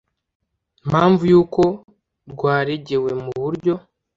mpamvu y uko rwaregewe mu buryo